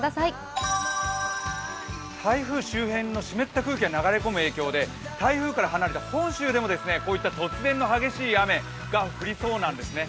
台風周辺の湿った空気が流れ込む影響で台風から離れた本州でも、こういった突然の激しい雨が降りそうなんですね。